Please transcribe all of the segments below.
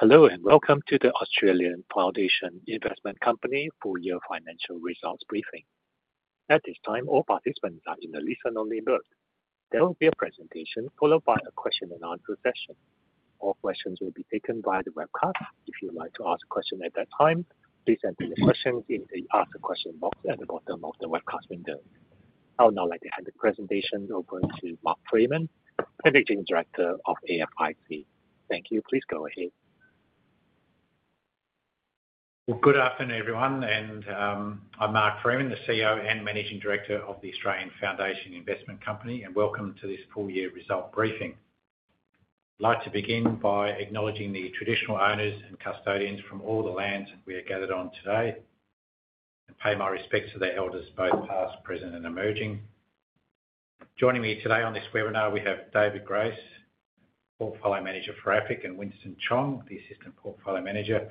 Hello and welcome to the Australian Foundation Investment Company Full Year Financial Results Briefing. At this time, all participants are in. The listen-only mode. There will be a presentation followed by a question and answer session. All questions will be taken via the webcast. If you would like to ask a question at that time, please enter the questions in the Ask a Question box at the bottom of the webcast window. I would now like to hand the presentation over to Mark Freeman, Managing Director of AFIC. Thank you. Please go ahead. Good afternoon everyone. I'm Mark Freeman, the CEO and Managing Director of Australian Foundation Investment Company. Welcome to this full year result briefing. I'd like to begin by acknowledging the traditional owners and custodians from all the lands we are gathered on today and pay my respects to their elders, both past, present and emerging. Joining me today on this webinar, we have David Grace, Portfolio Manager for AFIC, and Winston Chong, the Assistant Portfolio Manager.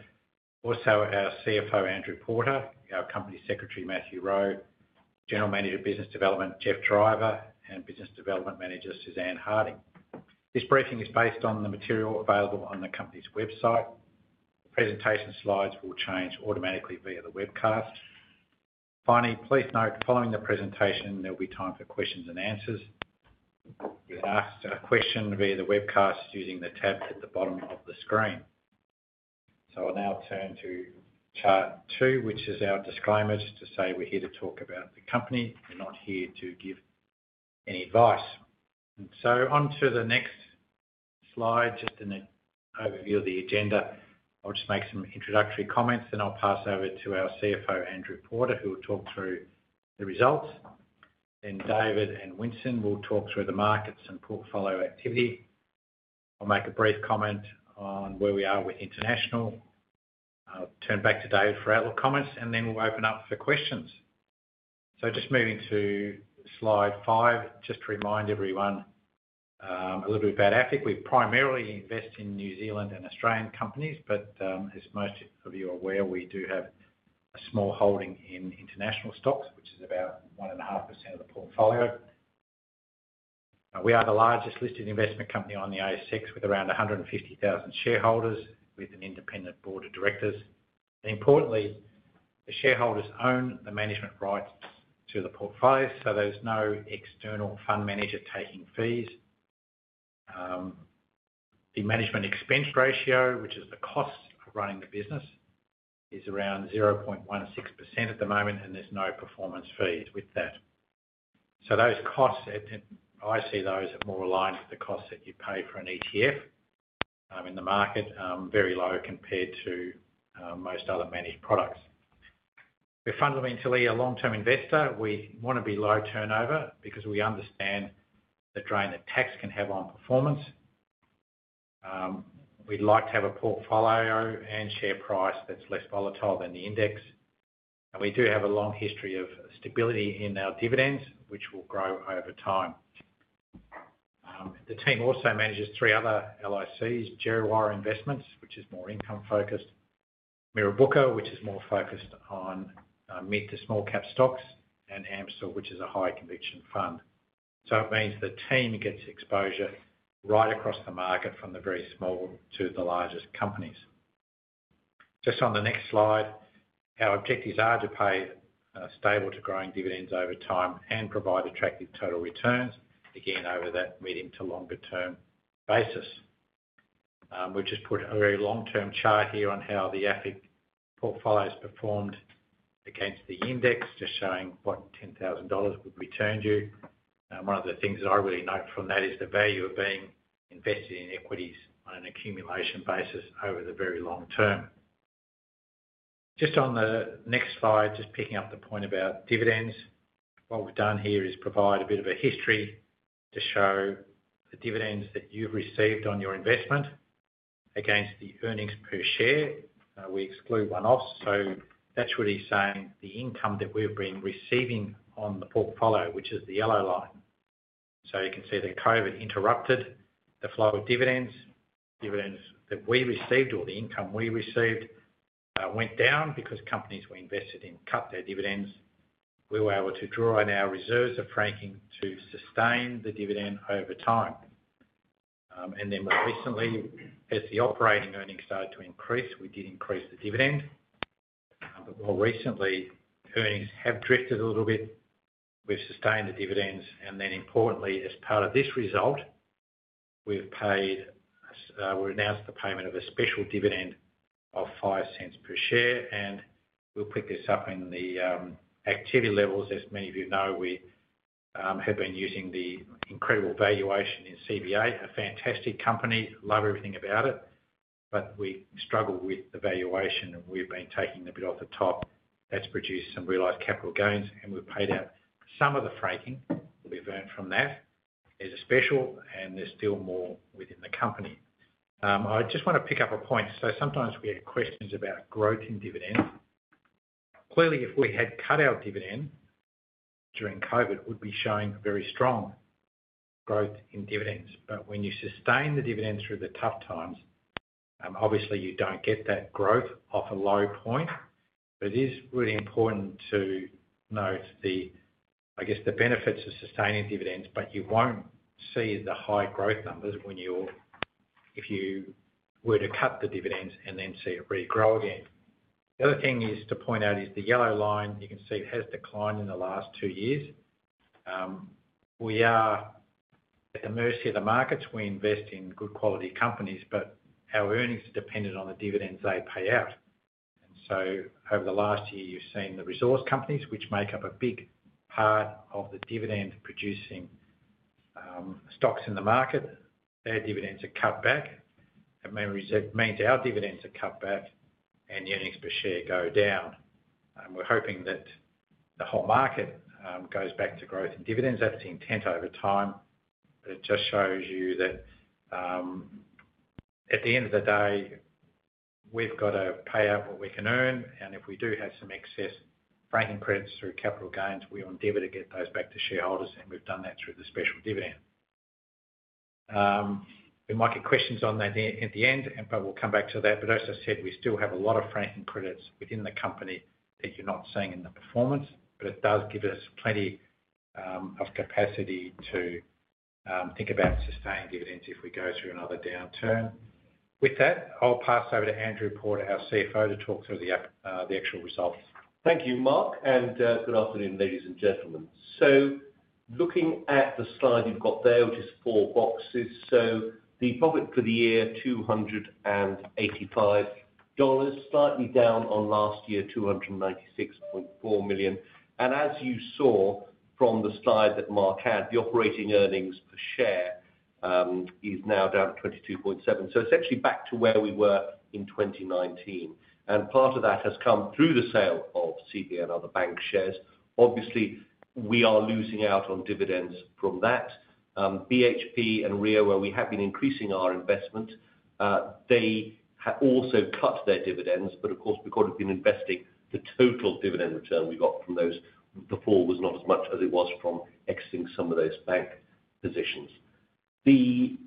Also, our CFO, Andrew Porter, our Company Secretary, Matthew Rowe, General Manager, Business Development, Geoff Driver, and Business Development Manager Suzanne Harding. This briefing is based on the material available on the company's website. Presentation slides will change automatically via the webcast. Finally, please note, following the presentation, there'll be time for questions and answers. We ask a question via the webcast using the tab at the bottom of the screen. I'll now turn to Chart 2, which is our disclaimer, just to say we're here to talk about the company. We're not here to give any advice. Onto the next slide, just an overview of the agenda. I'll make some introductory comments. Then I'll pass over to our CFO Andrew Porter, who will talk through the results. Then David and Winston will talk through the markets and portfolio activity. I'll make a brief comment on where we are with International. I'll turn back to David for outlook comments and then we'll open up for questions. Moving to slide five, just to remind everyone a little bit about AFIC. We primarily invest in New Zealand and Australian companies, but as most of you are aware, we do have a small holding in international stocks, which is about 1.5% of the portfolio. We are the largest listed investment company on the ASX with around 150,000 shareholders, with an independent board of directors. Importantly, the shareholders own the management rights to the portfolio. There's no external fund manager taking fees. The Management Expense Ratio, which is the cost of running the business, is around 0.16% at the moment and there's no performance fees with that. Those costs, I see those more aligned with the costs that you pay for an ETF in the market. Very low compared to most other managed products. We're fundamentally a long term investor. We want to be low turnover because we understand the drain that tax can have on performance. We'd like to have a portfolio and share price that's less volatile than the index. We do have a long history of stability in our dividends, which will grow over time. The team also manages three other Djerriwarrh Investments, which is more income focused, Mirrabooka, which is more focused on mid to small cap stocks, and AMCIL, which is a high conviction fund. It means the team gets exposure right across the market from the very small to the largest companies. Just on the next slide, our objectives are to pay stable to growing dividends over time and provide attractive total returns again over that medium to longer term basis. We just put a very long term chart here on how the AFIC portfolio has performed against the index, just showing what 10,000 dollars would be turned. One of the things that I really note from that is the value of being invested in equities on an accumulation basis over the very long term. Just on the next slide, just picking up the point about dividends, what we've done here is provide a bit of a history to show the dividends that you've received on your investment against the Earnings Per Share. We exclude one offs, so that's what he's saying. The income that we've been receiving on the portfolio, which is the yellow line, so you can see that COVID interrupted the flow of dividends. Dividends that we received or the income we received went down because companies we invested in cut their dividends. We were able to draw in our reserves of franking to sustain the dividend over time. More recently, as the operating earnings started to increase, we did increase the dividend. More recently, earnings have drifted a little bit. We've sustained the dividends and then importantly, as part of this result, we've paid. We announced the payment of a special dividend of 0.05 per share and we'll pick this up in the activity levels. As many of you know, we have been using the incredible valuation in CBA. A fantastic company, love everything about it. We struggle with the valuation and we've been taking a bit off the top. That's produced some realized capital gains and we've paid out some of the franking we've earned from that. These are special and there's still more within the company. I just want to pick up a point. Sometimes we have questions about growth in dividends. Clearly, if we had cut our dividend during COVID, we'd be showing very strong growth in dividends. When you sustain the dividend through the tough times, obviously you don't get that growth off a low point. It is really important to note the benefits of sustaining dividends. You won't see the high growth numbers if you were to cut the dividends and then see it regrow again. The other thing to point out is the yellow line you can see has declined in the last two years. We are at the mercy of the markets. We invest in good quality companies, but our earnings are dependent on the dividends they pay out. Over the last year, you've seen the resource companies, which make up a big part of the dividend producing stocks in the market, their dividends are cut back. That means our dividends are cut back and the Earnings Per Share go down. We're hoping that the whole market goes back to growth in dividends. That's the intent over time. It just shows you that at the end of the day we've got to pay out what we can earn, and if we do have some excess Franking Credits through capital gains, we'll endeavor to get those back to shareholders and we've done that through the special dividend. We might get questions on that at the end, but we'll come back to that. As I said, we still have a lot of Franking Credits within the company that you're not seeing in the performance. It does give us plenty of capacity to think about sustained dividends if we go through another downturn. With that, I'll pass over to Andrew Porter, our CFO, to talk through the actual results. Thank you, Mark, and good afternoon, ladies and gentlemen. Looking at the slide you've got there, which is four boxes, the profit for the year, 285 million dollars, slightly down on last year, 296.4 million. As you saw from the slide that Mark had, the operating Earnings Per Share is now down 22.7%. Essentially back to where we were in 2019. Part of that has come through the sale of CBA and other bank shares, with obviously we are losing out on dividends from that. BHP and Rio, where we have been increasing our investment, they have also cut their dividends. Of course, because we've been investing, the total dividend return we got from those, the fall was not as much as it was from exiting some of those bank positions. The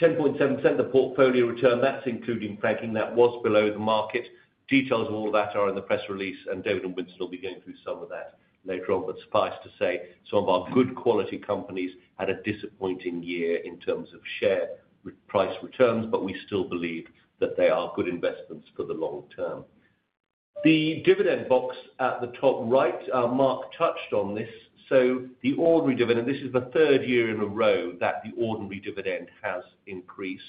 10.7%, the portfolio return, that's including franking, that was below the market. Details of all that are in the press release, and David and Winston will be going through some of that later on. Suffice to say, some of our good quality companies had a disappointing year in terms of share price returns, but we still believe that they are good investments for the long term. The dividend box at the top right, Mark touched on this. The ordinary dividend, this is the third year in a row that the ordinary dividend has increased,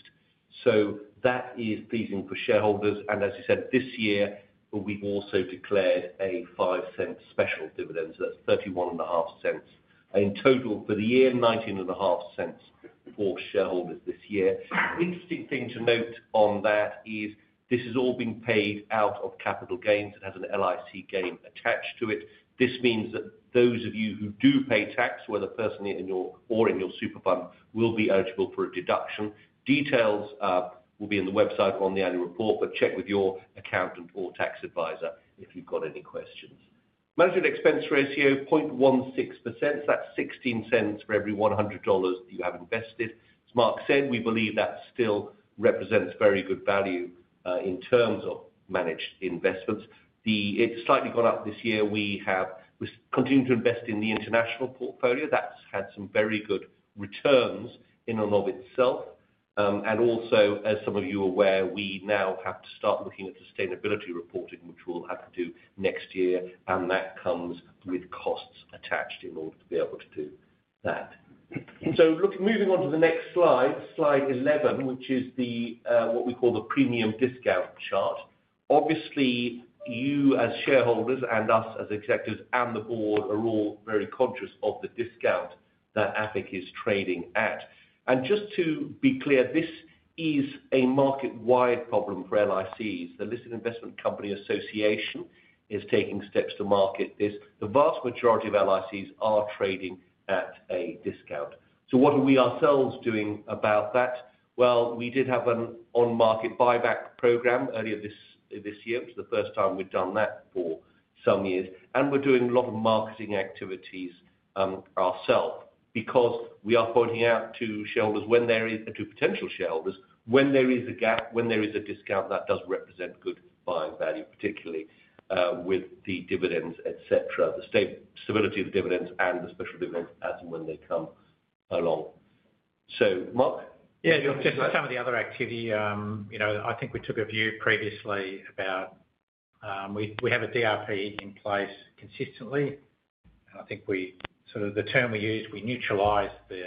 so that is pleasing for shareholders. As you said, this year we've also declared a 0.05 special dividend. That's 0.315 in total for the year, 0.195 for shareholders this year. Interesting thing to note on that is this is all being paid out of capital gains. It has an LIC gain attached to it. This means that those of you who do pay tax, whether personally or in your super fund, will be eligible for a deduction. Details will be on the website on the annual report, but check with your accountant or tax adviser if you've got any questions. Management Expense Ratio 0.16%. That's 0.16 for every 100 dollars that you have invested. As Mark said, we believe that still represents very good value in terms of managed investments. It's slightly gone up this year. We continue to invest in the international portfolio. That's had some very good returns in and of itself. Also, as some of you are aware, we now have to start looking at sustainability reporting, which we'll have to do next year. That comes with costs attached in order to be able to do that. Moving on to the next slide, slide 11, which is what we call the premium discount chart. Obviously, you as shareholders and us as executives and the Board are all very conscious of the discount that AFIC is trading at. Just to be clear, this is a market-wide problem for LICs. The Listed Investment Company Association is taking steps to market this. The vast majority of LICs are trading at a discount. What are we ourselves doing about that? We did have an on-market buyback program earlier this year. It was the first time we've done that for some years. We're doing a lot of marketing activities ourselves because we are pointing out to shareholders, to potential shareholders, when there is a gap, when there is a discount that does represent good buying value, particularly with the dividends, the stability of dividends, and the special dividends as and when they come along. So, Mark. Yes, just some of the other activity. I think we took a view previously about we have a DRP in place consistently, and I think we sort of, the term we use, we neutralize the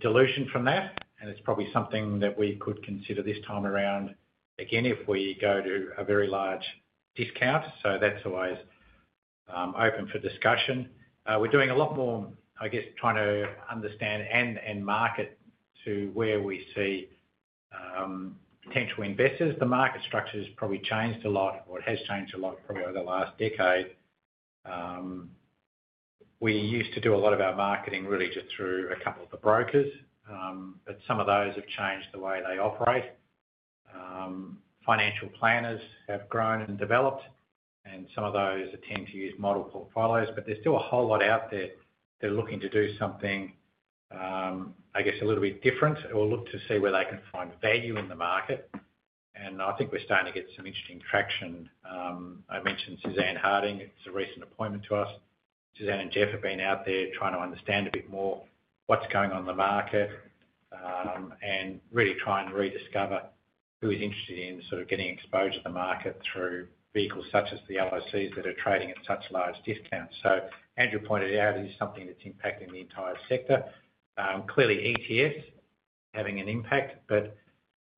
dilution from that, and it's probably something that we could consider this time around again if we go to a very large discount. That's always open for discussion. We're doing a lot more, I guess, trying to understand and market to where we see potential investors. The market structure has probably changed a lot, or it has changed a lot probably over the last decade. We used to do a lot of our marketing really just through a couple of the brokers, but some of those have changed the way they operate. Financial planners have grown and developed, and some of those tend to use model portfolios, but there's still a whole lot out there. They're looking to do something, I guess, a little bit different or look to see where they can find value in the market. I think we're starting to get some interesting traction. I mentioned Suzanne Harding. It's a recent appointment to us. Suzanne and Geoff have been out there trying to understand a bit more what's going on in the market and really try and rediscover who is interested in sort of getting exposure to the market through vehicles such as the LICs that are trading at such large discounts. Andrew pointed out it is something that's impacting the entire sector. Clearly, ETFs are having an impact,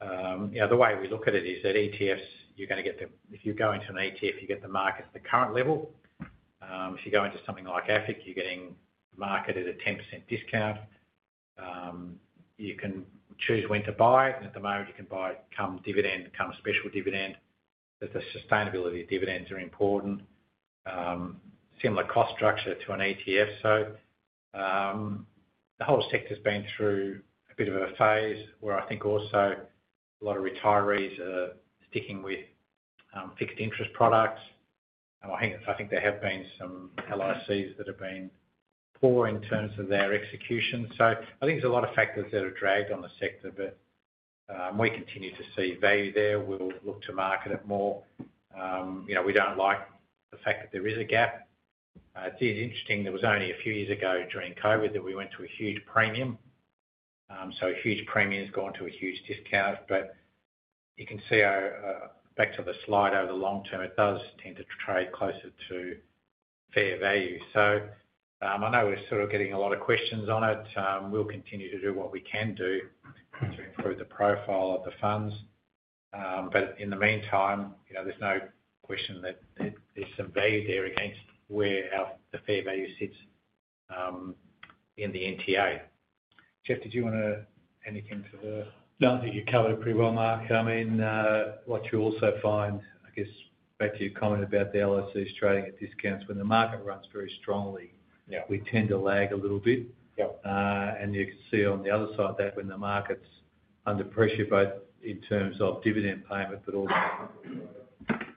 but the way we look at it is that ETFs, you're going to get, if you go into an ETF, you get the market at the current level. If you go into something like AFIC, you're getting market at a 10% discount. You can choose when to buy it, and at the moment you can buy come dividend, come special dividend. The sustainability of dividends is important. Similar cost structure to an ETF. The whole sector has been through a bit of a phase where I think also a lot of retirees are sticking with fixed interest products. I think there have been some LICs that have been poor in terms of their execution. There are a lot of factors that have dragged on the sector, but we continue to see value there. We'll look to market it more. We don't like the fact that there is a gap. It's interesting. There was only a few years ago during COVID that we went to a huge premium. A huge premium has gone to a huge discount, but you can see back to the slide, over the long term it does tend to trade closer to fair value. I know we're sort of getting a lot of questions on it. We'll continue to do what we can do to improve the profile of the funds, but in the meantime, there's no question that there's some value there against where the fair value sits in the NTA. Geoff, did you want to add anything to that? No, I think you covered it pretty well, Mark. I mean what you also find, I guess back to your comment about the LICs trading at discounts when the market runs very strongly, we tend to lag a little bit, and you can see on the other side that when the market's under pressure, both in terms of dividend payment but also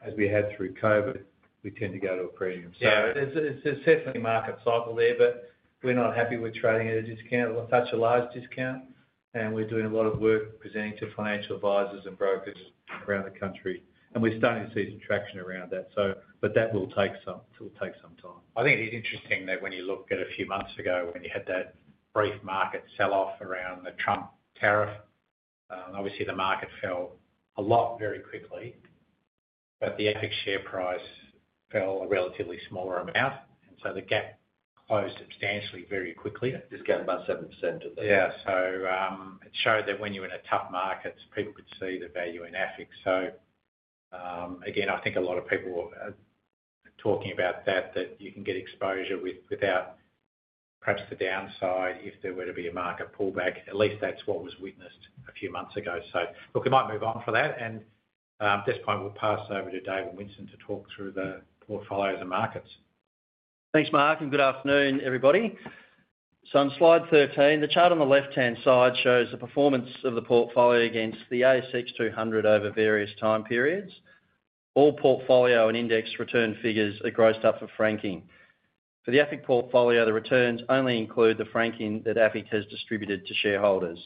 as we had through COVID, we tend to go to a premium. Yeah, there's definitely a market cycle there. We're not happy with trading at a discount, such a large discount, and we're doing a lot of work presenting to financial advisors and brokers around the country, and we're starting to see some traction around that. That will take some time. I think it is interesting that when you look at a few months ago when you had that brief market sell-off around the Trump tariff, obviously the market fell a lot very quickly, but the AFIC share price fell a relatively smaller amount, and so the gap closed substantially very quickly. This gap about 7%. Yeah. It showed that when you're in a tough market people could see the value in AFIC. I think a lot of people talking about that, that you can get exposure without perhaps the downside if there were to be a market pullback. At least that's what was witnessed a few months ago. We might move on from that and at this point we'll pass over to Dave and Winston to talk through the portfolios and markets. Thanks Mark and good afternoon everybody. On slide 13, the chart on the left hand side shows the performance of the portfolio against the ASX 200 over various time periods. All portfolio and index return figures are grossed up for franking. For the AFIC portfolio, the returns only include the franking that AFIC has distributed to shareholders.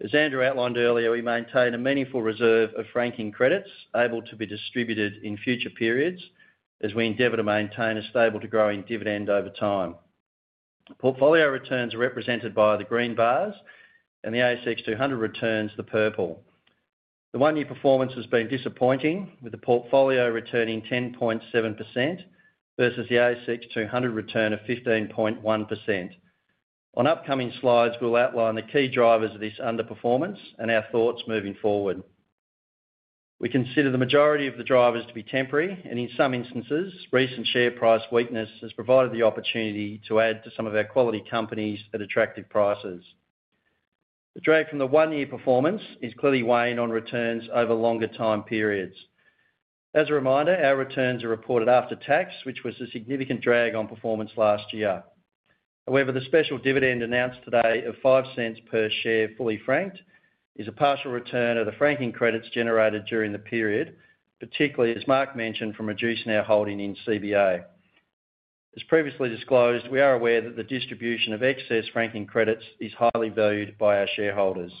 As Andrew outlined earlier, we maintain a meaningful reserve of Franking Credits able to be distributed in future periods as we endeavor to maintain a stable to growing dividend over time. Portfolio returns are represented by the green bars and the ASX 200 returns. The purple, the one year performance has been disappointing with the portfolio returning 10.7% versus the ASX 200 return of 15.1%. On upcoming slides we'll outline the key drivers of this underperformance and our thoughts moving forward. We consider the majority of the drivers to be temporary and in some instances recent share price weakness has provided the opportunity to add to some of our quality companies at attractive prices. The drag from the one year performance is clearly weighing on returns over longer time periods. As a reminder, our returns are reported after tax which was a significant drag on performance last year. However, the special dividend announced today of $0.05 per share fully franked is a partial return of the Franking Credits generated during the period, particularly as Mark mentioned, from reducing our holding in CBA. As previously disclosed, we are aware that the distribution of excess Franking Credits is highly valued by our shareholders.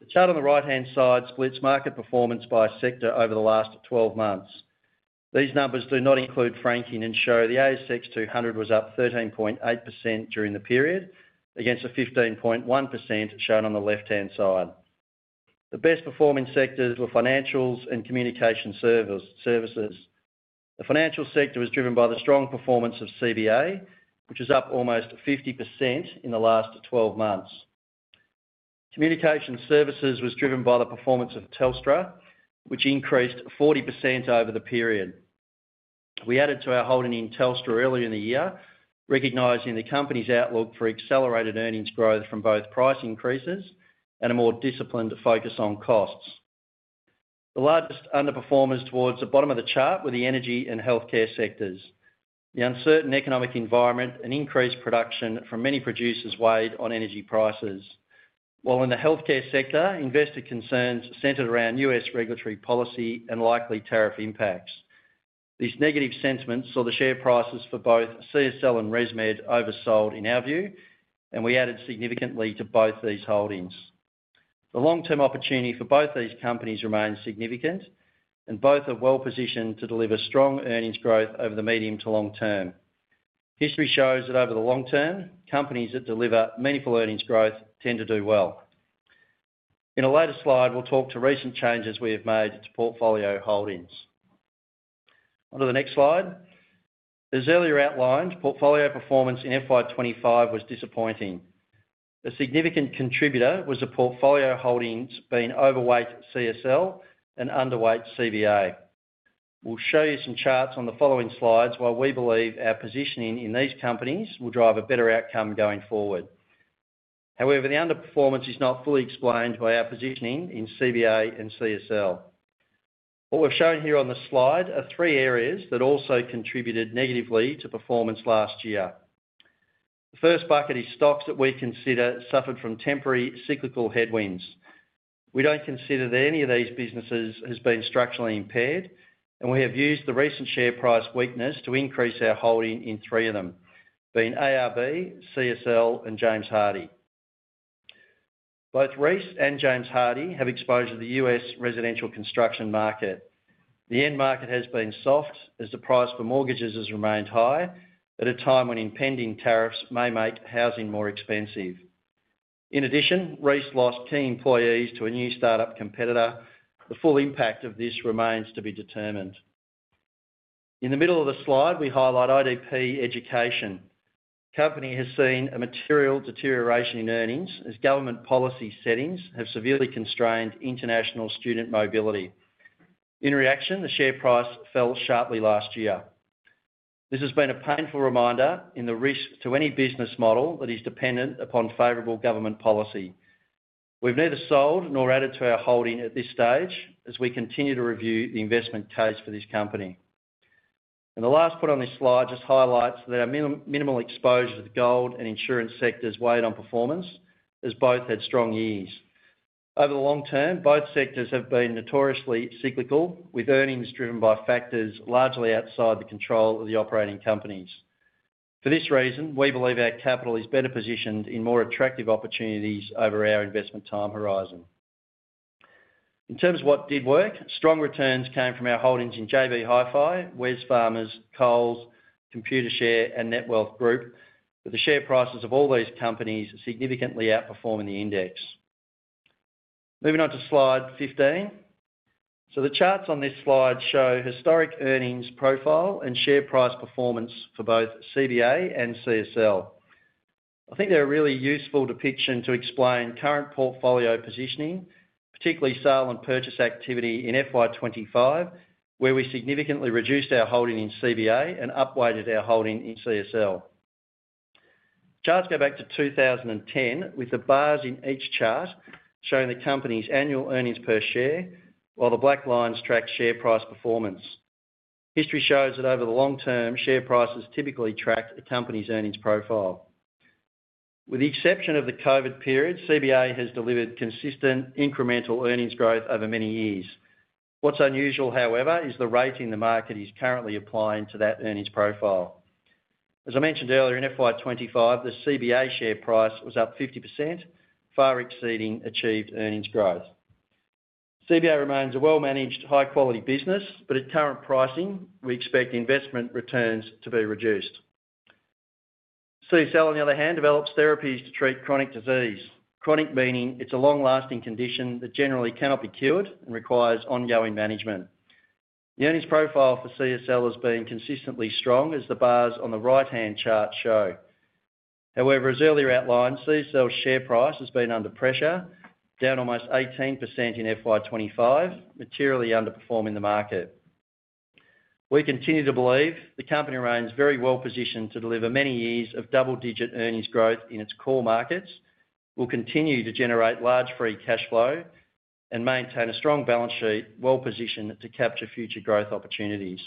The chart on the right hand side splits market performance by sector over the last 12 months. These numbers do not include franking and show the ASX 200 was up 13.8% during the period against the 15.1% shown on the left hand side. The best performing sectors were Financials and Communication Services. The Financial sector was driven by the strong performance of CBA which is up almost 50% in the last 12 months. Communication Services was driven by the performance of Telstra which increased 40% over the period. We added to our holding in Telstra earlier in the year, recognizing the company's outlook for accelerated earnings growth from both price increases and a more disciplined focus on costs. The largest underperformers towards the bottom of the chart were the Energy and Health Care sectors. The uncertain economic environment and increased production from many producers weighed on energy prices, while in the healthcare sector investor concerns centered around U.S. regulatory policy and likely tariff impacts. These negative sentiments saw the share prices for both CSL and ResMed oversold in our view, and we added significantly to both these holdings. The long-term opportunity for both these companies remains significant, and both are well positioned to deliver strong earnings growth over the medium to long term. History shows that over the long term, companies that deliver meaningful earnings growth tend to do well. In a later slide, we'll talk to recent changes we have made to portfolio holdings. Onto the next slide. As earlier outlined, portfolio performance in 2025 was disappointing. A significant contributor was the portfolio holdings being overweight CSL, underweight CBA. We'll show you some charts on the following slides. While we believe our positioning in these companies will drive a better outcome going forward, the underperformance is not fully explained by our positioning in CBA and CSL. What we've shown here on the slide are three areas that also contributed negatively to performance last year. The first bucket is stocks that we consider suffered from temporary cyclical headwinds. We don't consider that any of these businesses has been structurally impaired, and we have used the recent share price weakness to increase our holding in three of them, being ARB, CSL, and James Hardie. Both Reece and James Hardie have exposure to the U.S. residential construction market. The end market has been soft as the price for mortgages has remained high at a time when impending tariffs may make housing more expensive. In addition, Reece lost key employees to a new start-up competitor. The full impact of this remains to be determined. In the middle of the slide, we highlight IDP Education. The company has seen a material deterioration in earnings as government policy settings have severely constrained international student mobility. In reaction, the share price fell sharply last year. This has been a painful reminder in the risk to any business model that is dependent upon favorable government policy. We've neither sold nor added to our holding at this stage. As we continue to review the investment case for this company, the last point on this slide just highlights that our minimal exposure to the gold and insurance sectors weighed on performance as both had strong years. Over the long term, both sectors have been notoriously cyclical with earnings driven by factors largely outside the control of the operating companies. For this reason, we believe our capital is better positioned in more attractive opportunities over our investment time horizon. In terms of what did work, strong returns came from our holdings in JB Hi-Fi, Wesfarmers, Coles, Computershare, and Netwealth Group, with the share prices of all these companies significantly outperforming the index. Moving on to slide 15. The charts on this slide show historic earnings profile and share price performance for both CBA and CSL. I think they're a really useful depiction to explain current portfolio positioning, particularly sale and purchase activity in FY25 where we significantly reduced our holding in CBA and upweighted our holding in CSL. Charts go back to 2010, with the bars in each chart showing the company's annual Earnings Per Share, while the black lines track share price performance. History shows that over the long term, share prices typically track a company's earnings profile. With the exception of the COVID period, CBA has delivered consistent incremental earnings growth over many years. What's unusual, however, is the rating the market is currently applying to that earnings profile. As I mentioned earlier, in FY25 the CBA share price was up 50%, far exceeding achieved earnings growth. CBA remains a well-managed, high-quality business, but at current pricing we expect investment returns to be reduced. CSL, on the other hand, develops therapies to treat chronic disease. Chronic meaning it's a long-lasting condition that generally cannot be cured and requires ongoing management. The earnings profile for CSL has been consistently strong as the bars on the right-hand chart show. However, as earlier outlined, CSL's share price has been under pressure, down almost 18% in FY25, materially underperforming the market. We continue to believe the company remains very well positioned to deliver many years of double-digit earnings growth in its core markets, will continue to generate large free cash flow, and maintain a strong balance sheet well positioned to capture future growth opportunities.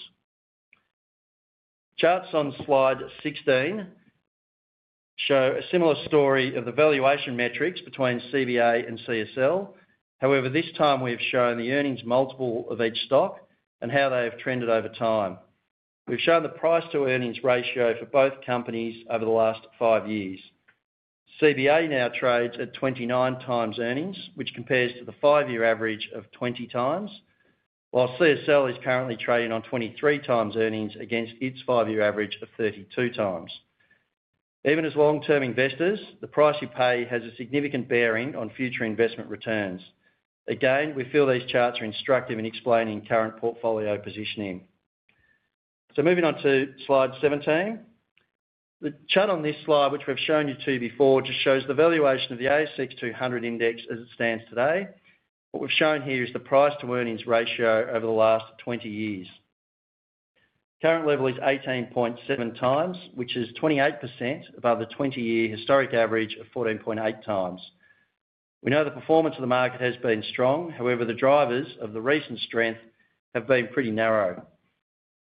Charts on Slide 16 show a similar story of the valuation metrics between CBA and CSL. However, this time we have shown the earnings multiple of each stock and how they have trended over time. We've shown the price to earnings ratio for both companies over the last five years. CBA now trades at 29 times earnings, which compares to the five-year average of 20 times. While CSL is currently trading on 23 times earnings against its five-year average of 32 times. Even as long-term investors, the price you pay has a significant bearing on future investment returns. We feel these charts are instructive in explaining current portfolio positioning. Moving on to Slide 17. The chart on this slide, which we've shown you before, just shows the valuation of the ASX 200 index as it stands today. What we've shown here is the price to earnings ratio over the last 20 years. Current level is 18.7 times, which is 28% above the 20-year historic average of 14.8 times. We know the performance of the market has been strong, however, the drivers of the recent strength have been pretty narrow.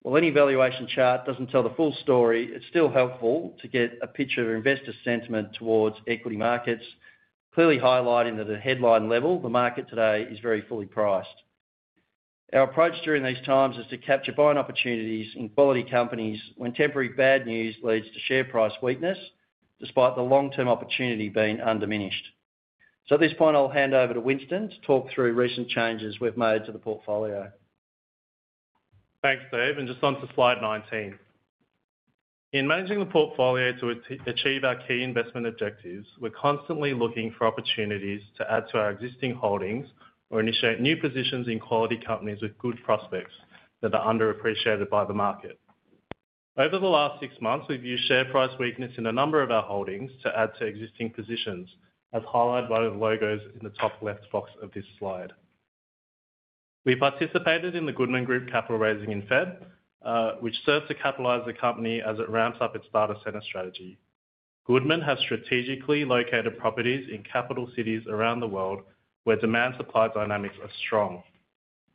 While any valuation chart doesn't tell the full story, it's still helpful to get a picture of investor sentiment towards equity markets, clearly highlighting that at a headline level the market today is very fully priced. Our approach during these times is to capture buying opportunities in quality companies when temporary bad news leads to share price weakness despite the long-term opportunity being undiminished. At this point I'll hand over to Winston to talk through recent changes we've made to the portfolio. Thanks Dave. Just on to slide 19. In managing the portfolio to achieve our key investment objectives, we're constantly looking for opportunities to add to our existing holdings or initiate new positions in quality companies with good prospects that are underappreciated by the market. Over the last six months we've used share price weakness in a number of our holdings to add to existing positions, as highlighted by the logos in the top left box of this slide. We participated in the Goodman Group capital raising in February, which serves to capitalize the company as it ramps up its data center strategy. Goodman has strategically located properties in capital cities around the world where demand-supply dynamics are strong.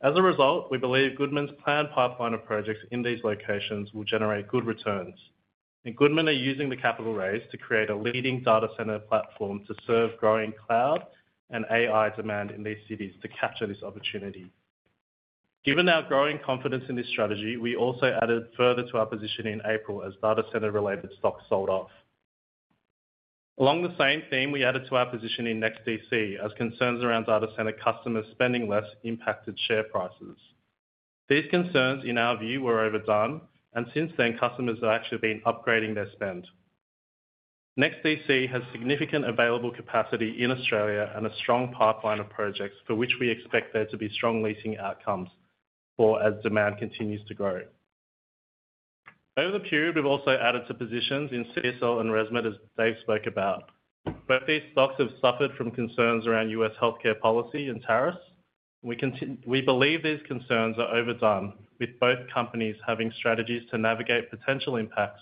As a result, we believe Goodman's planned pipeline of projects in these locations will generate good returns, and Goodman are using the capital raised to create a leading data center platform to serve growing cloud and AI demand in these cities. To capture this opportunity, given our growing confidence in this strategy, we also added further to our position in April as data center related stocks sold off. Along the same theme, we added to our position in NEXTDC as concerns around data center customers spending less impacted share prices. These concerns in our view were overdone, and since then customers have actually been upgrading their spend. NEXTDC has significant available capacity in Australia and a strong pipeline of projects for which we expect there to be strong leasing outcomes for as demand continues to grow. Over the period, we've also added to positions in CSL and ResMed. As Dave spoke about, both these stocks have suffered from concerns around U.S. healthcare policy and tariffs. We believe these concerns are overdone, with both companies having strategies to navigate potential impacts,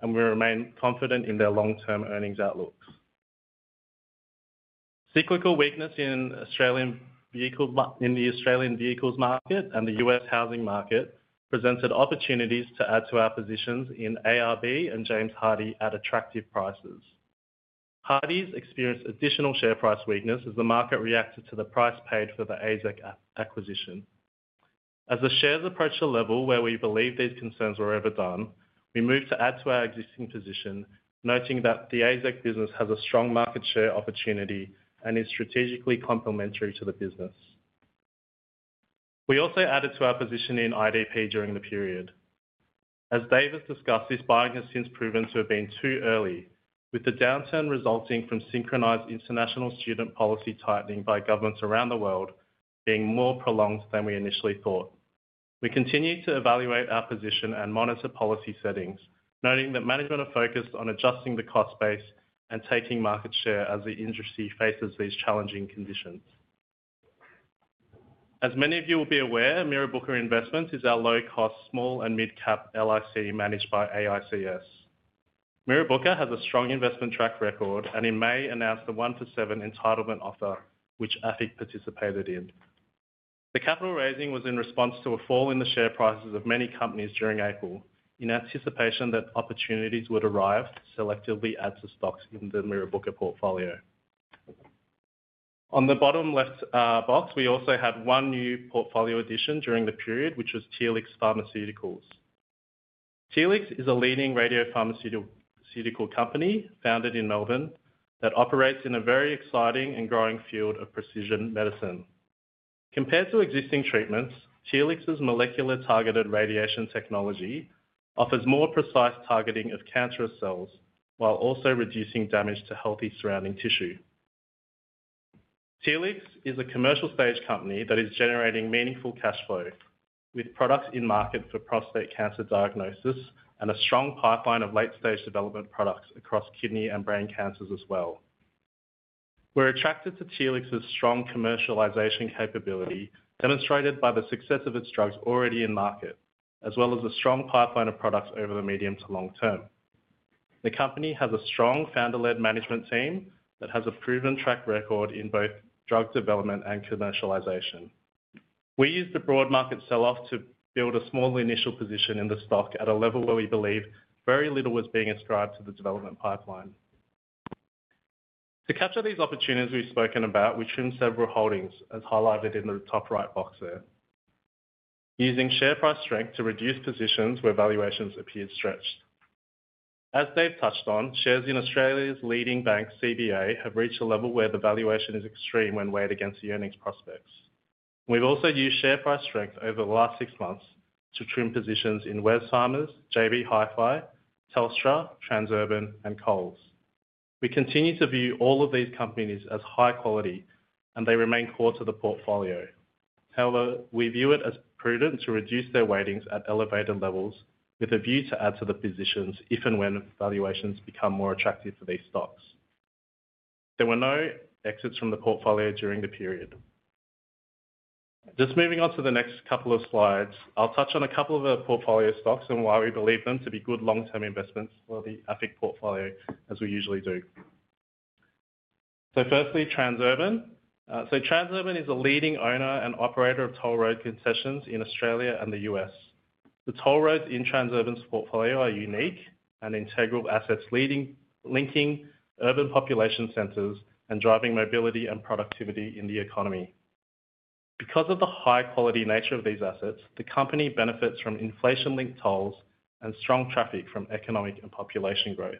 and we remain confident in their long-term earnings outlooks. Cyclical weakness in the Australian vehicles market and the U.S. housing market presented opportunities to add to our positions in ARB and James Hardie at attractive prices. Hardie experienced additional share price weakness as the market reacted to the price paid for the ASEC Apple acquisition. As the shares approached a level where we believe these concerns were overdone, we moved to add to our existing position, noting that the ASEC business has a strong market share opportunity and is strategically complementary to the business. We also added to our position in IDP during the period. As Dave has discussed, this buying has since proven to have been too early, with the downturn resulting from synchronized international student policy tightening by governments around the world being more prolonged than we initially thought. We continue to evaluate our position and monitor policy settings, noting that management are focused on adjusting the cost base and taking market share as the industry faces these challenging conditions. As many of you will be aware, Mirrabooka Investments is our low cost, small and mid cap LIC managed by AFIC. Mirrabooka has a strong investment track record and in May announced the one for seven entitlement offerings which AFIC participated in. The capital raising was in response to a fall in the share prices of many companies during April in anticipation that opportunities would arrive to selectively add to stocks in the Mirrabooka portfolio on the bottom left box. We also had one new portfolio addition during the period which was Telix Pharmaceuticals. Telix is a leading radiopharmaceutical company founded in Melbourne that operates in a very exciting and growing field of precision medicine. Compared to existing treatments, Telix's molecular targeted radiation technology offers more precise targeting of cancerous cells while also reducing damage to healthy surrounding tissue. Telix is a commercial stage company that is generating meaningful cash flow with products in market for prostate cancer diagnosis and a strong pipeline of late stage development products across kidney and brain cancers as well. We're attracted to Telix's strong commercialization capability demonstrated by the success of its drugs already in market as well as a strong pipeline of products over the medium to long term. The company has a strong founder led management team that has a proven track record in both drug development and commercialization. We use the broad market sell off to build a small initial position in the stock at a level where we believe very little was being ascribed to the development pipeline. To capture these opportunities we've spoken about, we trimmed several holdings as highlighted in the top right box there, using share price strength to reduce positions where valuations appeared stretched. As Dave touched on, shares in Australia's leading bank CBA have reached a level where the valuation is extreme when weighed against the earnings prospects. We've also used share price strength over the last six months to trim positions in Wesfarmers, JB Hi-Fi, Telstra, Transurban, and Coles. We continue to view all of these companies as high quality and they remain core to the portfolio. However, we view it as prudent to reduce their weightings at elevated levels with a view to add to the positions if and when valuations become more attractive for these stocks. There were no exits from the portfolio during the period. Moving on to the next couple of slides, I'll touch on a couple of our portfolio stocks and why we believe them to be good long-term investments for the AFIC portfolio as we usually do. Firstly, Transurban. Transurban is a leading owner and operator of toll road concessions in Australia and the U.S. The toll roads in Transurban's portfolio are unique and integral assets linking urban population centers and driving mobility and productivity in the economy. Because of the high-quality nature of these assets, the company benefits from inflation-linked tolls and strong traffic from economic and population growth.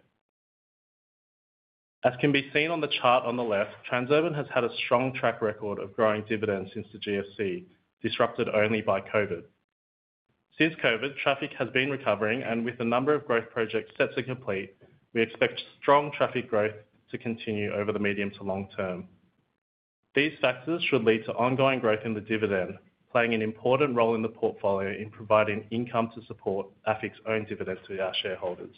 As can be seen on the chart on the left, Transurban has had a strong track record of growing dividends since the GFC, disrupted only by COVID. Since COVID, traffic has been recovering and with a number of growth projects set to complete, we expect strong traffic growth to continue over the medium to long term. These factors should lead to ongoing growth in the dividend, playing an important role in the portfolio in providing income to support AFIC's own dividends to our shareholders.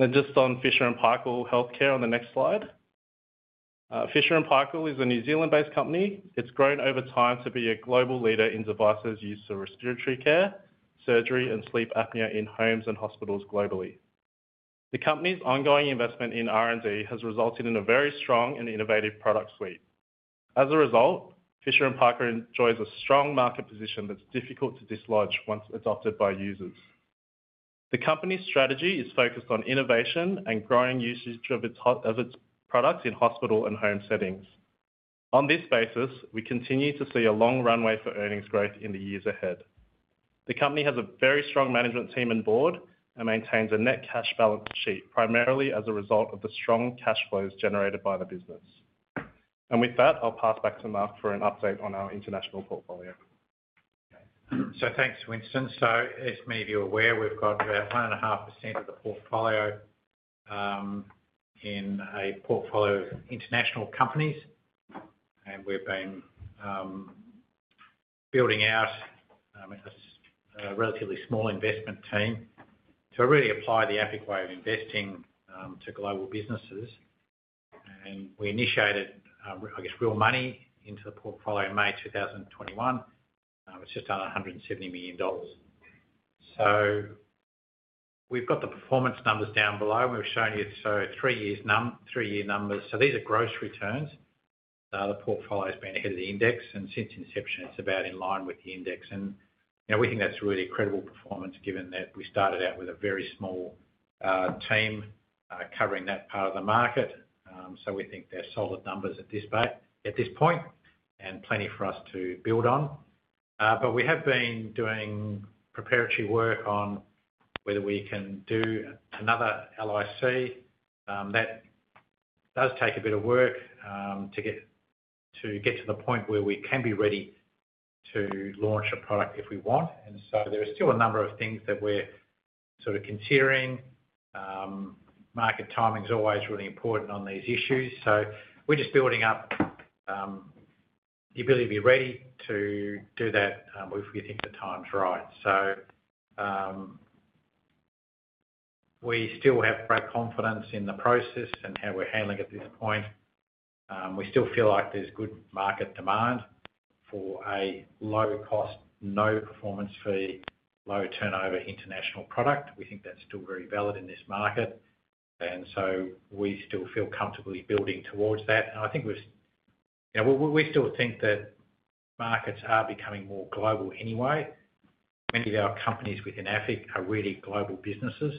On Fisher & Paykel Healthcare on the next slide. Fisher & Paykel is a New Zealand-based company. It's grown over time to be a global leader in devices used for respiratory care, surgery, and sleep apnea in homes and hospitals globally. The company's ongoing investment in R&D has resulted in a very strong and innovative product suite. As a result, Fisher & Paykel enjoys a strong market position that's difficult to dislodge once adopted by users. The company's strategy is focused on innovation and growing usage of its products in hospital and home settings. On this basis, we continue to see a long runway for earnings growth in the years ahead. The company has a very strong management team and board and maintains a net cash balance sheet primarily as a result of the strong cash flows generated by the business. With that, I'll pass back to Mark for an update on our international portfolio. Thanks, Winston. As many of you are aware, we've got about 1.5% of the portfolio in a portfolio of international companies, and we've been building out a relatively small investment team to really apply the AFIC way of investing to global businesses. We initiated, I guess, real money into the portfolio in May 2021. It's just under 170 million dollars. We've got the performance numbers down below we've shown you, so three-year numbers. These are gross returns. The portfolio has been ahead of the index, and since inception it's about in line with the index. We think that's really credible performance given that we started out with a very small team covering that part of the market. We think they're solid numbers at this point and plenty for us to build on. We have been doing preparatory work on whether we can do another LIC. That does take a bit of work to get to the point where we can be ready to launch a product if we want. There are still a number of things that we're sort of considering. Market timing is always really important on these issues, so we're just building up the ability to be ready to do that if we think the time's right. So. We still have great confidence in the process and how we're handling at this point. We still feel like there's good market demand for a low cost, no performance fee, low turnover international product. We think that's still very valid in this market, so we still feel comfortably building towards that. I think we still think that markets are becoming more global anyway. Many of our companies within AFIC are really global businesses.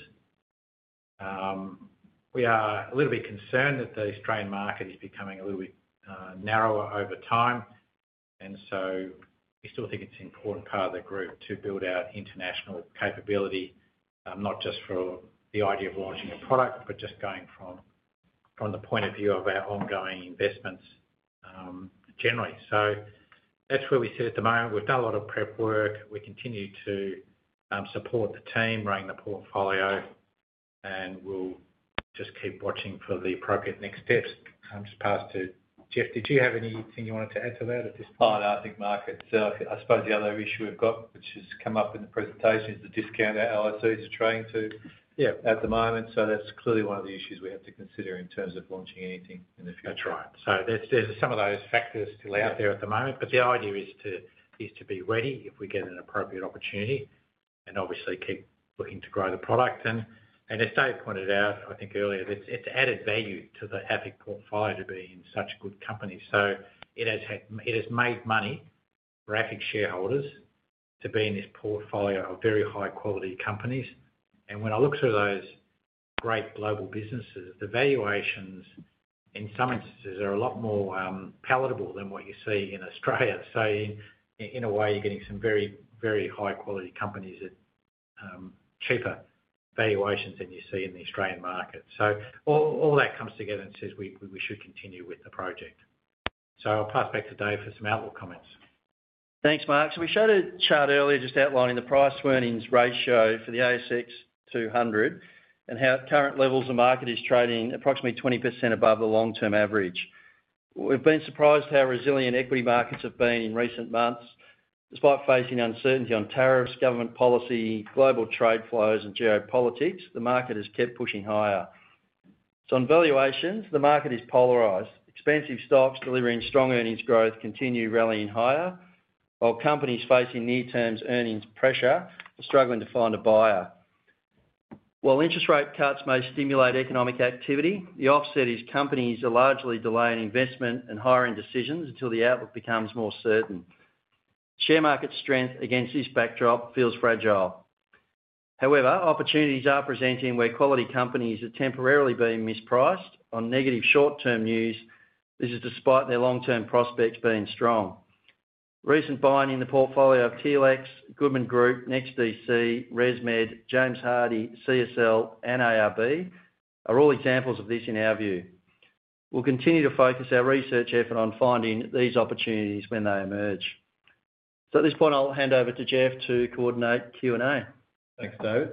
We are a little bit concerned that the Australian market is becoming a little bit narrower over time, so we still think it's an important part of the group to build out international capability, not just for the idea of launching a product, but just going from the point of view of our ongoing investments generally. That's where we sit at the moment. We've done a lot of prep work, we continue to support the team running the portfolio, and we'll just keep watching for the appropriate next steps. Just pass to Geoff. Did you have anything you wanted to add to that at this point? I think, Mark, I suppose the other issue we've got which has come up in the presentation is the discount our LICs are trading at the moment. That's clearly one of the issues we have to consider in terms. Of launching anything in the future. That's right. There are some of those factors still out there at the moment. The idea is to be ready if we get an appropriate opportunity and obviously keep looking to grow the product. As David Grace pointed out earlier, it's added value to the AFIC portfolio to be in such good company. It has made money for AFIC shareholders to be in this portfolio of very high quality companies. When I look through those great global businesses, the valuations in some instances are a lot more palatable than what you see in Australia. In a way, you're getting some very, very high quality companies at cheaper valuations than you see in the Australian market. All that comes together and says we should continue with the project. I'll pass back to David Grace for some outlook comments. Thanks, Mark. We showed a chart earlier just outlining the price to earnings ratio for the ASX and how at current levels the market is trading approximately 20% above the long-term average. We've been surprised how resilient equity markets have been in recent months. Despite facing uncertainty on tariffs, government policy, global trade flows, and geopolitics, the market has kept pushing higher. On valuations, the market is polarized. Expensive stocks delivering strong earnings growth continue rallying higher, while companies facing near-term earnings pressure are struggling to find a buyer. While interest rate cuts may stimulate economic activity, the offset is companies are largely delaying investment and hiring decisions until the outlook becomes more certain. Share market strength, against this backdrop, feels fragile. However, opportunities are presenting where quality companies are temporarily being mispriced on negative short-term news. This is despite their long-term prospects being strong. Recent buying in the portfolio of Telix Pharmaceuticals, Goodman Group, NEXTDC, ResMed, James Hardie, CSL, and Nanosonics are all examples of this in our view. We'll continue to focus our research effort on finding these opportunities when they emerge. At this point, I'll hand over to Geoff to coordinate Q&A. Thanks, David.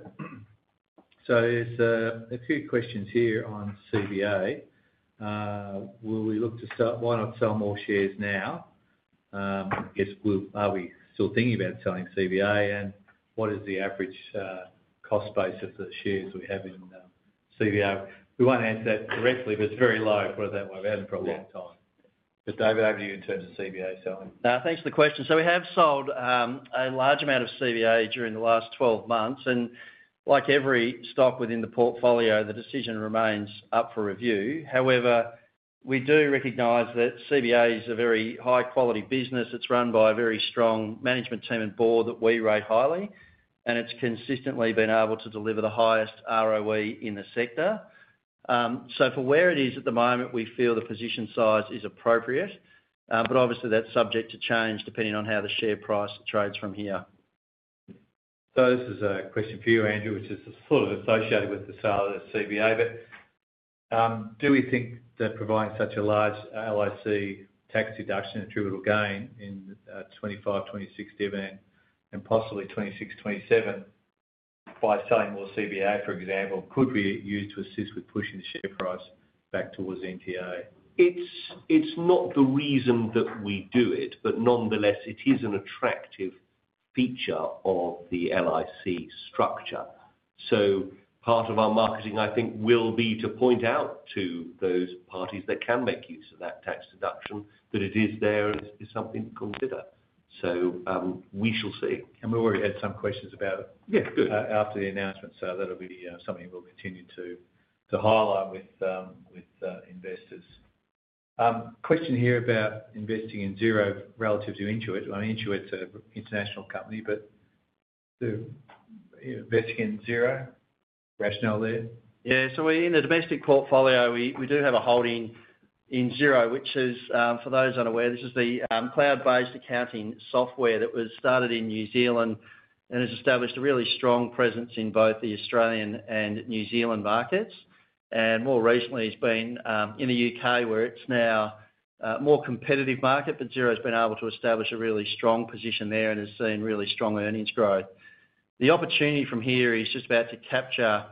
There are a few questions here on CBA. Will we look to, why not sell more shares now? Are we still thinking about selling CBA, and what is the average cost base of the shares we have in CBA? We won't answer that directly, but it's very low for a long time. David, over to you in terms of CBA selling. Thanks for the question. We have sold a large amount of CBA during the last 12 months and, like every stock within the portfolio, the decision remains up for review. However, we do recognize that CBA is a very high quality business. It's run by a very strong management team and board that we rate highly, and it's consistently been able to deliver the highest ROE in the sector. For where it is at the moment, we feel the position size is appropriate, but obviously that's subject to change depending on how the share price trades from here. This is a question for you, Andrew, which is sort of associated with the sale of the CBA. Do we think that providing such a large LIC tax deduction, attributable gain in 2025, 2026 dividend and possibly 2026, 2027 by selling more CBA, for example? Could be used to assist with pushing. The share price back towards NTA. It's not the reason that we do it, but nonetheless it is an attractive feature of the LIC structure. Part of our marketing I think will be to point out to those parties that can make use of that tax deduction that it is. There is something to consider. We shall see. We already had some questions about it after the announcement. That'll be something we'll continue to highlight with investors. There's a question here about investing in Xero relative to Intuit. Intuit's an international company, but investing in Xero. Rationale there. Yeah. In the domestic portfolio we do have a holding in Xero, which is, for those unaware, the cloud-based accounting software that was started in New Zealand and has established a really strong presence in both the Australian and New Zealand markets. More recently, it's been in the UK, where it's now a more competitive market. Xero's been able to establish a really strong position there and has seen really strong earnings growth. The opportunity from here is just about to capture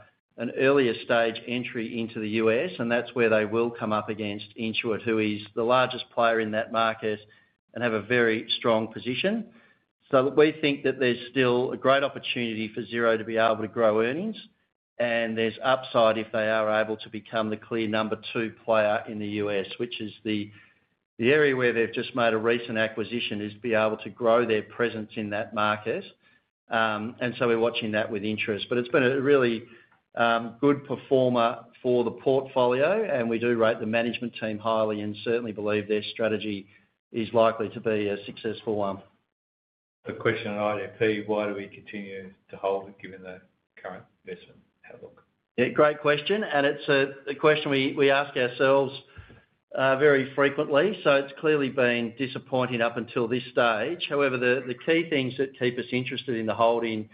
earlier stage entry into the U.S., and that's where they will come up against Intuit, who is the largest player in that market and has a very strong position. We think that there's still a great opportunity for Xero to be able to grow earnings, and there's upside if they are able to become the clear number two player in the U.S., which is the area where they've just made a recent acquisition to be able to grow their presence in that market. We're watching that with interest. It's been a really good performer for the portfolio, and we do rate the management team highly and certainly believe their strategy is likely to be a successful one. The question on IDP, why do we continue to hold it given the current investment outlook? Great question and it's a question we ask ourselves very frequently. It's clearly been disappointing up until this stage. However, the key things that keep us interested in the holding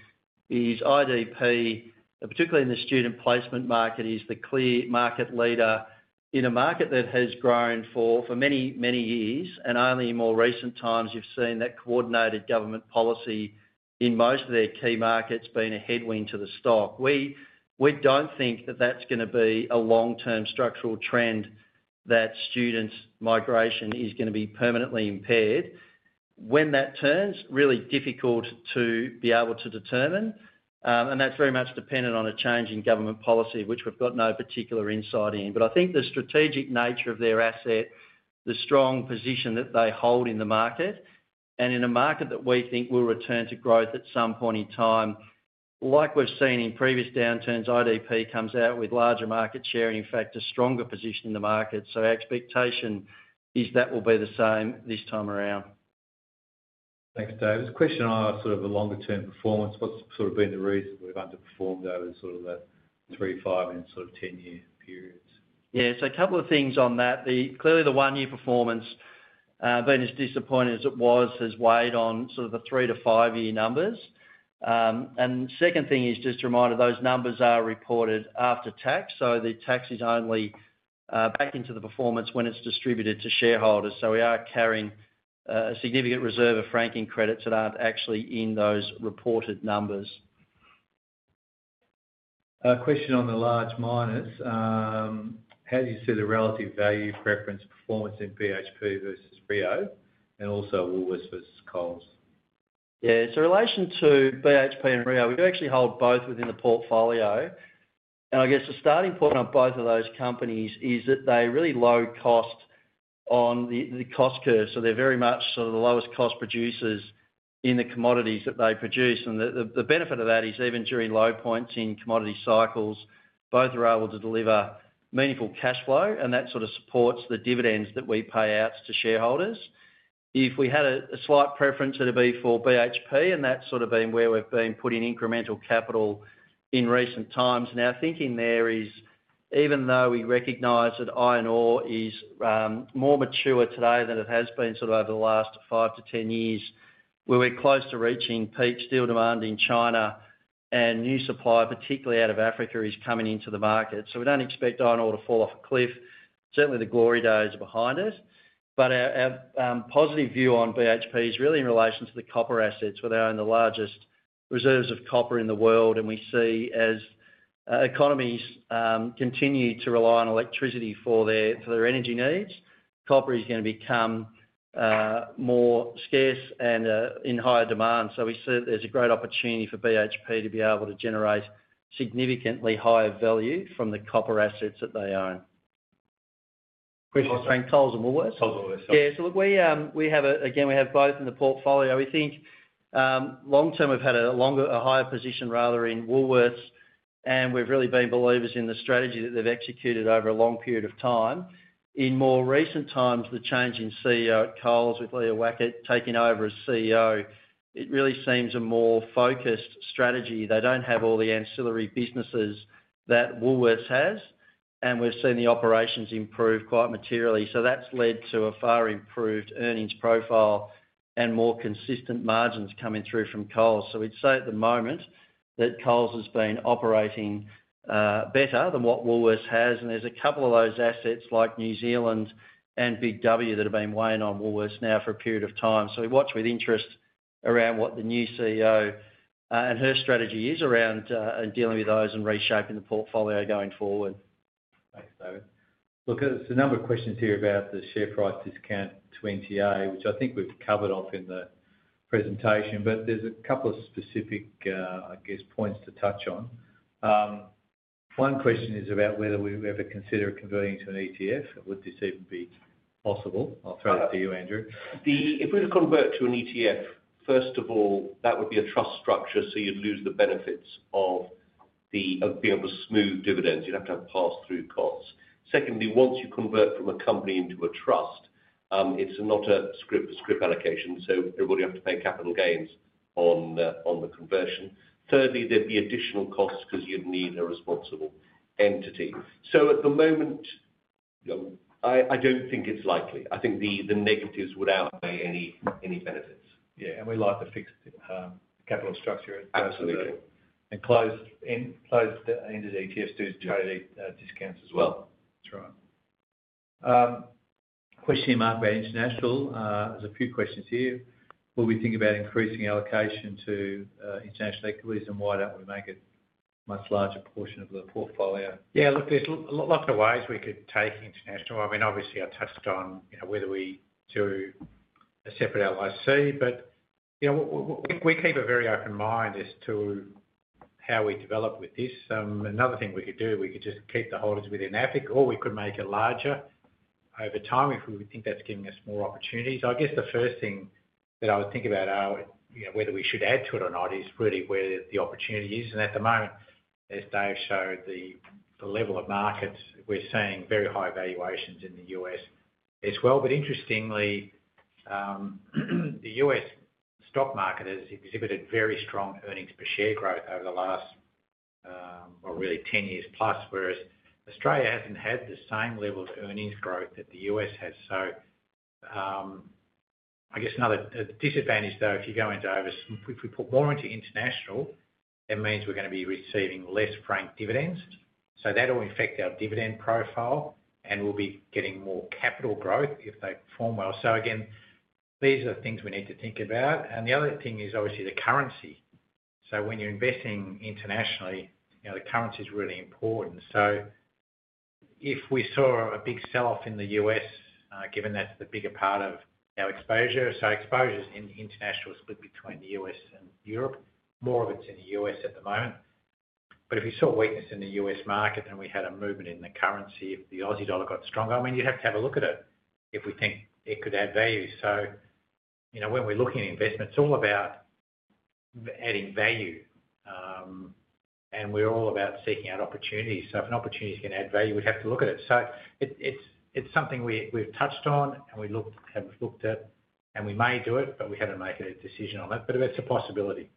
is IDP, particularly in the student placement market, is the clear market leader in a market that has grown for many, many years. Only in more recent times you've seen that coordinated government policy in most of their key markets being a headwind to the stock. We don't think that that's going to be a long-term structural trend, that student migration is going to be permanently impaired. When that turns, it's really difficult to be able to determine. That's very much dependent on a change in government policy, which we've got no particular insight in. I think the strategic nature of their asset, the strong position that they hold in the market, and in a market that we think will return to growth at some point in time, like we've seen in previous downturns, IDP comes out with larger market share and in fact a stronger position in the market. Expectation is that will be the same this time around. Thanks, David. Question on sort of a longer term performance, what's sort of been the reason we've underperformed over sort of the three, five and sort of ten year periods? Yeah, a couple of things on that. Clearly the one year performance, being as disappointing as it was, has weighed on the three to five year numbers. The second thing is just a reminder, those numbers are reported after tax, so the tax is only back into the performance when it's distributed to shareholders. We are carrying a significant reserve of Franking Credits that aren't actually in those reported numbers. Question on the large miners, how do you see the relative value preference performance in BHP versus Rio Tinto and also Woolworths versus Coles? Yes, in relation to BHP and Rio Tinto, we actually hold both within the portfolio and I guess the starting point on both of those companies is that they are really low cost on the cost curve. They are very much sort of the lowest cost producers in the commodities that they produce. The benefit of that is even during low points in commodity cycles, both are able to deliver meaningful cash flow and that supports the dividends that we pay out to shareholders. If we had a slight preference, it would be for BHP, and that's sort of been where we've been putting incremental capital in recent times. Our thinking there is, even though we recognize that iron ore is more mature today than it has been over the last five to ten years, where we're close to reaching peak steel demand in China and new supply, particularly out of Africa, is coming into the market. We don't expect iron ore to fall off a cliff. Certainly the glory days are behind us. Our positive view on BHP is really in relation to the copper assets, where they own the largest reserves of copper in the world. We see as economies continue to rely on electricity for their energy needs, copper is going to become more scarce and in higher demand. We see there's a great opportunity for BHP to be able to generate significantly higher value from the copper assets that they own. Questions? Frank Tolls and Woolworths, Tollsworth. Yeah. We have both in the portfolio. We think long term we've had a higher position rather in Woolworths and we've really been believers in the strategy that they've executed over a long period of time. In more recent times, the change in CEO at Coles with Leah Weckert taking over as CEO, it really seems a more focused strategy. They don't have all the ancillary businesses that Woolworths has and we've seen the operations improve quite materially. That's led to a far improved earnings profile and more consistent margins coming through from Coles. We'd say at the moment that Coles has been operating better than what Woolworths has and there's a couple of those assets like New Zealand and Big W that have been weighing on Woolworths now for a period of time. We watch with interest around what the new CEO and her strategy is around dealing with those and reshaping the portfolio going forward. Thanks, David. Look, there's a number of questions here about the share price discount to NTA, which I think we've covered off in the presentation. There's a couple of specific, I guess, points to touch on. One question is about whether we ever consider converting to an ETF. Would this even be possible? I'll throw that to you, Andrew. If we were to convert to an ETF, first of all that would be a trust structure, so you'd lose the benefits of being able to smooth dividends. You'd have to have pass-through costs. Secondly, once you convert from a company into a trust, it's not a scrip for scrip allocation, so everybody would have to pay capital gains on the conversion. Thirdly, there'd be additional costs because you'd need a responsible entity. At the moment, I don't think it's likely. I think the negatives would outweigh any benefits. Yeah. We like the fixed capital structure. Absolutely. Closed ended ETFs due to NTA discounts as well. That's right. Question mark about international, there's a few questions here. Will we think about increasing allocation to international equities, and why don't we make it a much larger portion of the portfolio? Yeah, look, there's lots of ways we could take international. I mean, obviously I touched on whether we do a separate LIC, but we keep a very open mind as to how we develop with this. Another thing we could do, we could just keep the holders within AFIC or we could make it larger over time if we think that's giving us more opportunities. I guess the first thing that I would think about whether we should add to it or not is really where the opportunity is. At the moment, as Dave showed, the level of markets, we're seeing very high valuations in the U.S. as well. Interestingly, the U.S. stock market has exhibited very strong Earnings Per Share growth over the last really 10 years plus, whereas Australia hasn't had the same level of earnings growth that the U.S. has. I guess another disadvantage though, if you go into overseas, if we put more into international, it means we're going to be receiving less franked dividends. That will affect our dividend profile and we'll be getting more capital growth if they perform well. These are things we need to think about. The other thing is obviously the currency. When you're investing internationally, the currency is really important. If we saw a big sell-off in the U.S., given that's the bigger part of our exposure—so exposures in international split between the U.S. and Europe, more of it's in the U.S. at the moment—if you saw weakness in the U.S. market, then we had a movement in the currency. If the Aussie dollar got stronger, I mean, you'd have to have a look at it if we think it could add value. When we're looking at investment, it's all about adding value and we're all about seeking out opportunities. If an opportunity is going to add value, we'd have to look at it. It's something we've touched on and looked at and we may do it, but we haven't made a decision on that. It's a possibility.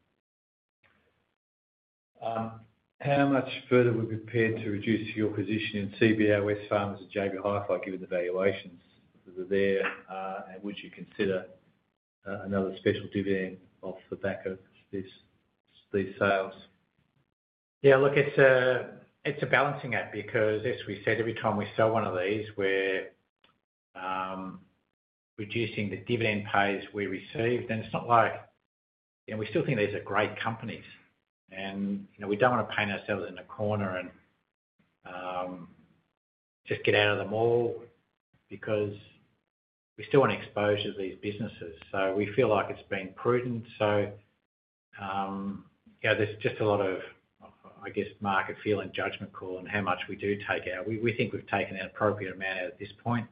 How much further are we prepared to reduce. Your position in CBA, Wesfarmers, and JB Hi, Fi, given the valuations there, would you consider another special dividend? Off the back of these sales? Yeah, look, it's a balancing act because as we said, every time we sell one of these, we're reducing the dividend pays we received. It's not like we still think these are great companies and we don't want to paint ourselves in a corner and just get out of them all because we still want exposure to these businesses, so we feel like it's been prudent. There's just a lot of, I guess, market feel and judgment call in how much we do take out. We think we've taken an appropriate amount out. At this point,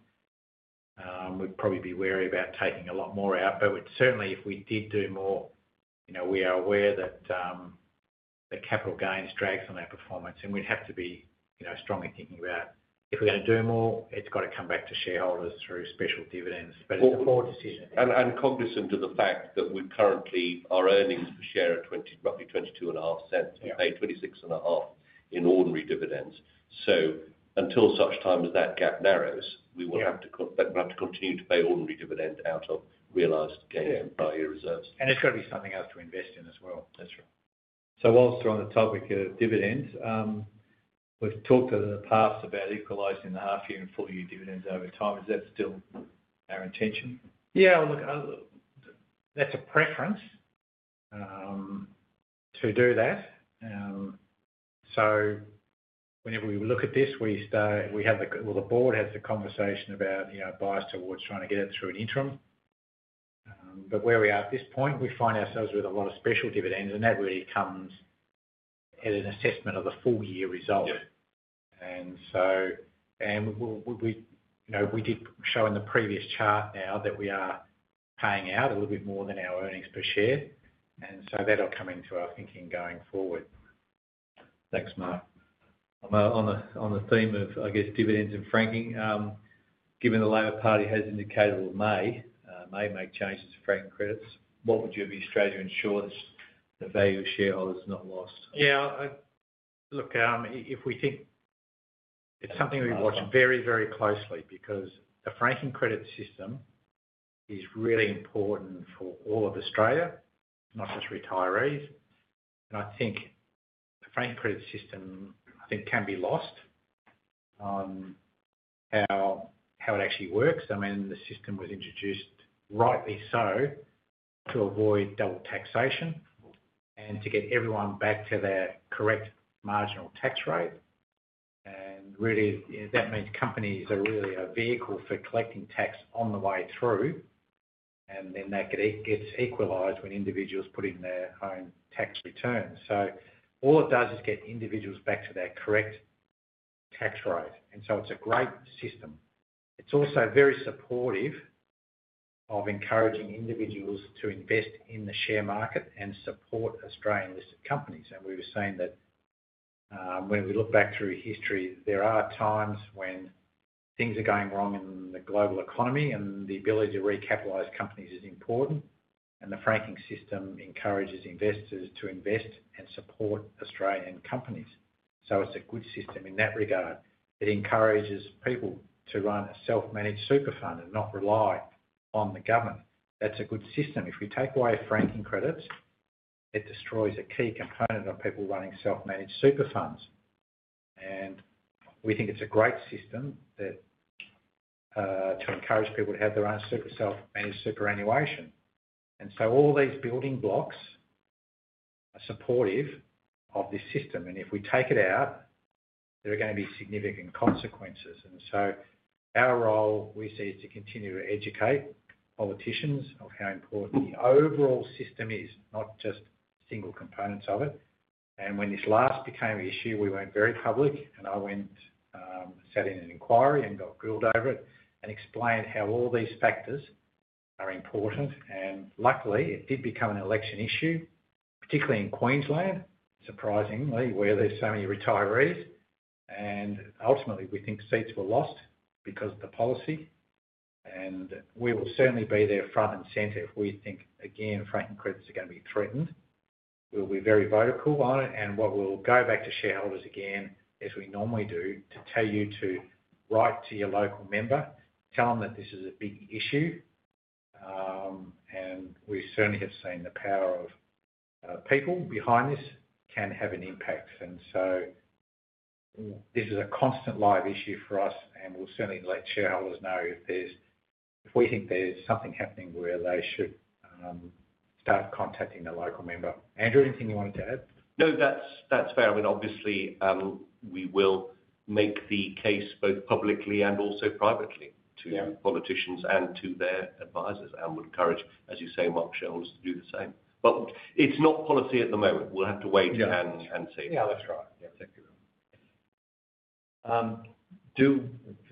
we'd probably be wary about taking a lot more out. Certainly, if we did do more, we are aware that the capital gains drags on our performance and we'd have to be strongly thinking about if we're going to do more. It's got to come back to shareholders through special dividends. It is a poor decision and cognizant of the fact that we currently our Earnings Per Share are roughly $0.225. We pay $0.265 in ordinary dividends. Until such time as that gap narrows, we will have to continue to pay ordinary dividend out of realized gains in prior year reserves. There's got to be something else to ensure invest in as well. That's right. Whilst we're on the topic of dividends, we've talked in the past about equalizing the half year and full year dividends over time. Is that still our intention? Yeah, look, that's a preference to do that. Whenever we look at this, the board has the conversation about bias towards trying to get it through an interim. Where we are at this point, we find ourselves with a lot of special dividends, and that really comes at an assessment of the full year result. We did show in the previous chart that we are paying out a little bit more than our Earnings Per Share, and that will come into our thinking going forward. Thanks, Mark. On the theme of dividends and franking, given the Labor Party has indicated it may make changes to Franking Credits, what would you do to ensure that the value of shareholders is not lost? Yeah, look, we think it's something we watch very, very closely because the franking credit system is really important for all of Australia, not just retirees. I think the franking credit system can be lost on how it actually works. The system was introduced, rightly so, to avoid double taxation and to get everyone back to their correct marginal tax rate. That means companies are really a vehicle for collecting tax on the way through, and then that gets equalized when individuals put in their own tax returns. All it does is get individuals back to their correct tax rate. It's a great system. It's also very supportive of encouraging individuals to invest in the share market and support Australian listed companies. We've seen that when we look back through history, there are times when things are going wrong in the global economy and the ability to recapitalize companies is important. The franking system encourages investors to invest and support Australian companies. It's a good system in that regard. It encourages people to run a self managed super fund and not rely on the government. That's a good system. If we take away Franking Credits, it destroys a key component of people running self managed super funds. We think it's a great system to encourage people to have their own super, self managed superannuation. All these building blocks are supportive of this system, and if we take it out there are going to be significant consequences. Our role, we see, is to continue to educate politicians on how important the overall system is, not just single components of it. When this last became an issue, we went very public and I went, sat in an inquiry and got grilled over it and explained how all these factors are important. Luckily, it did become an election issue, particularly in Queensland, surprisingly, where there's so many retirees, and ultimately we think seats were lost because of the policy. We will certainly be there front and center if we think again Franking Credits are going to be threatened. We'll be very vocal on it. We'll go back to shareholders again as we normally do, to tell you to write to your local member, tell them that this is a big issue, and we certainly have seen the power of people behind this can have an impact. This is a constant live issue for us. We'll certainly let shareholders know if we think there's something happening where they should start contacting the local member. Andrew, anything you wanted to add? No, that's fair. I mean obviously we will make the case both publicly and also privately to politicians and to their advisors, and would encourage, as you say, Mark, shareholders to do the same. It's not policy at the moment. We'll have to wait and see. Yeah, that's right.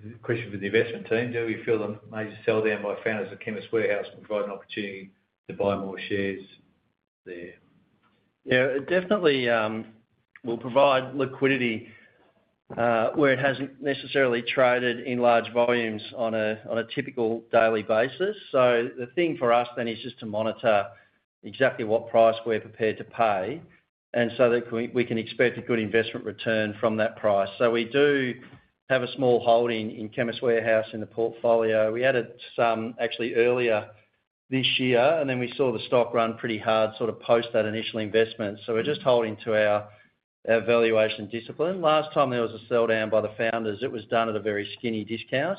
Thank you. Question for the investment team. Do we feel a major sell down by founders of Chemist Warehouse will provide an opportunity to buy more shares there? Yeah, it definitely will provide liquidity where it hasn't necessarily traded in large volumes on a typical daily basis. The thing for us then is just to monitor exactly what price we're prepared to pay so that we can expect a good investment return from that price. We do have a small holding in Chemist Warehouse in the portfolio. We added some actually earlier this year and then we saw the stock run pretty hard sort of post that initial investment. We're just holding to our valuation discipline. Last time there was a sell down by the founders it was done at a very skinny discount.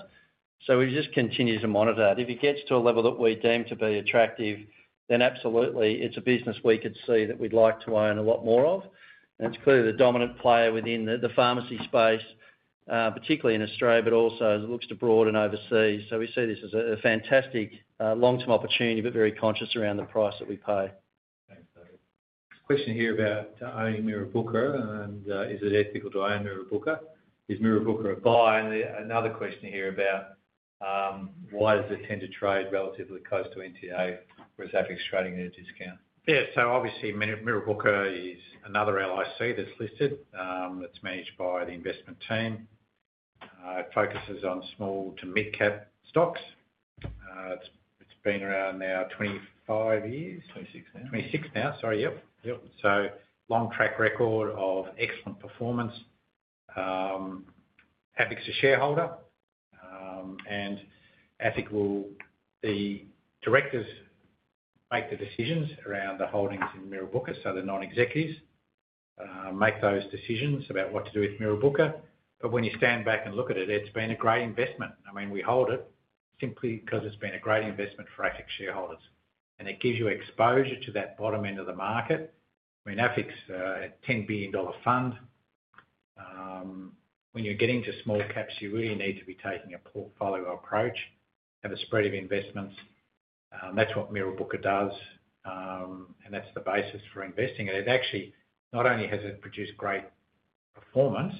We just continue to monitor that. If it gets to a level that we deem to be attractive, then absolutely it's a business we could see that we'd like to own a lot more of and it's clearly the dominant player within the pharmacy space, particularly in Australia, but also as it looks to broaden overseas. We see this as a fantastic long term opportunity, but very conscious around the price that we pay. Question here about owning Mirrabooka and is it ethical to own Mirrabooka? Is Mirrabooka a buy? Another question here about why does it tend to trade relatively close to NTA whereas AFIC is trading at a discount? Yeah, so obviously Mirrabooka Investments is another LIC that's listed that's managed by the investment team. It focuses on small to mid cap stocks. It's been around now 25 years, 26 now, 26 now. Sorry. Yep. Long track record of excellent performance. AFIC's a shareholder and AFIC, well, the directors make the decisions around the holdings in Mirrabooka Investments. The non-executives make those decisions about what to do with Mirrabooka Investments. When you stand back and look at it, it's been a great investment. I mean, we hold it simply because it's been a great investment for AFIC shareholders and it gives you exposure to that bottom end of the market. AFIC's 10 billion dollar fund, when you're getting to small caps, you really need to be taking a portfolio approach, have a spread of investments. That's what Mirrabooka Investments does and that's the basis for investing and it actually, not only has it produced great performance,